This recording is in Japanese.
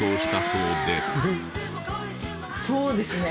そうですね。